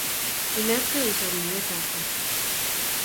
Inetkei isom nyoet ap kaat.